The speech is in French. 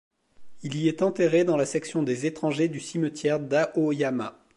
Il y est enterré dans la section des étrangers du cimetière d'Aoyama.